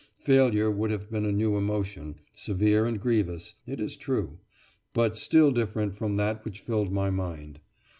Failure would have been a new emotion, severe and grievous, it is true, but still different from that which filled my mind.